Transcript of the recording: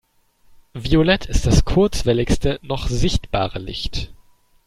Violett ist das kurzwelligste noch sichtbare Licht.